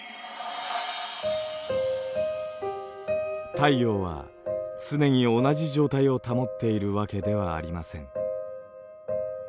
太陽は常に同じ状態を保っているわけではありません。